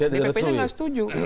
dpp nya gak setuju